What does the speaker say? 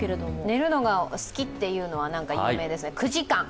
寝るのが好きっていうのは有名ですね。